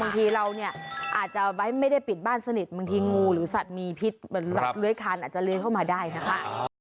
บางทีเราเนี่ยอาจจะไม่ได้ปิดบ้านสนิทบางทีงูหรือสัตว์มีพิษมันสัตว์เลื้อยคานอาจจะเลื้อยเข้ามาได้นะคะ